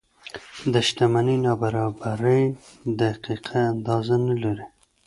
د شتمنۍ نابرابرۍ دقیقه اندازه نه لري.